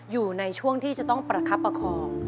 อยู่ในช่วงที่จะต้องประคับประคอง